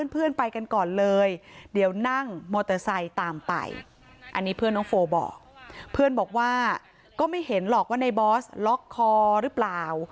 เพื่อนคนนี้บอกว่าก็ไม่เห็นหรอกว่าในบอสล็อคคอร์หรือเปล่า